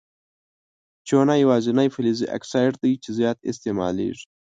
چونه یوازیني فلزي اکساید دی چې زیات استعمالیږي.